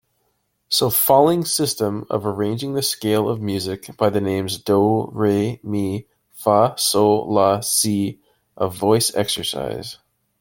Solfaing system of arranging the scale of music by the names do, re, mi, fa, sol, la, si a voice exercise.